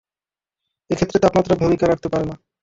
এক্ষেত্রে তাপমাত্রা ভূমিকা রাখতে পারে না।